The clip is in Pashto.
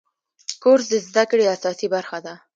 کورس د زده کړې اساسي برخه ده.